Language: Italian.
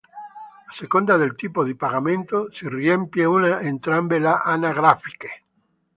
A seconda del tipo di pagamento si riempie una o entrambe le anagrafiche.